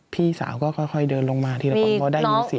พี่สาวก็ค่อยเดินลงมาทีละคนพอได้ยินเสียง